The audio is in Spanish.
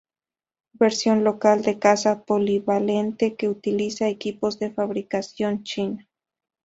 Versión local de caza polivalente que utiliza equipos de fabricación china.